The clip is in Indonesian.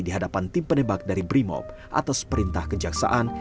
di hadapan tim penebak dari brimob atas perintah kejaksaan